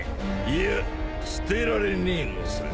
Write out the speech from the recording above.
いや捨てられねえのさ。